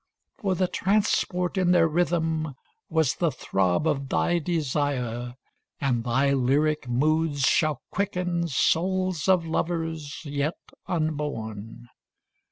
For the transport in their rhythm Was the throb of thy desire, And thy lyric moods shall quicken 35 Souls of lovers yet unborn.